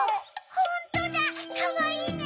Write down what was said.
ホントだかわいいね！